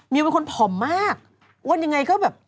เป็นคนผอมมากอ้วนยังไงก็แบบ